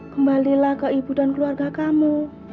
kembali final ke ibu dan keluarga kamu